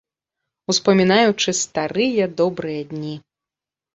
Успамінаючы старыя добрыя дні.